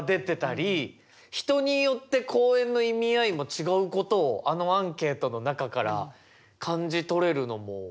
人によって公園の意味合いも違うことをあのアンケートの中から感じ取れるのも。